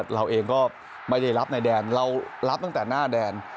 เราเองก็ไม่ได้รับในแดนเรารับตั้งแต่หน้าแดน